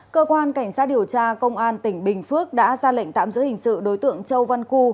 cơ quan cảnh sát điều tra công an tỉnh bình phước đã ra lệnh tạm giữ hình sự đối tượng châu văn cư